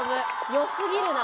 良すぎるな。